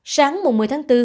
sáng một mươi tháng bốn